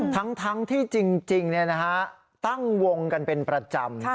ทั้งที่จริงตั้งวงกันเป็นประจำ